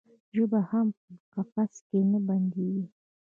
ژبه هم په قفس کې نه بندیږي.